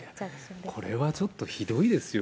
これはちょっとひどいですよ。